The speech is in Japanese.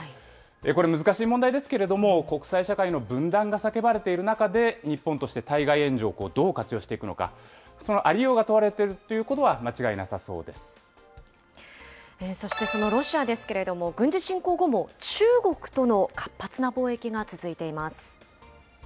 これ、難しい問題ですけれども、国際社会の分断が叫ばれている中で、日本として対外援助をどう活用していくのか、そのありようが問われているということは間違いそしてそのロシアですけれども、軍事侵攻後も、中国との活発な貿易が続いています。